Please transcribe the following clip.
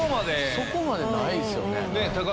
そこまでないですよ。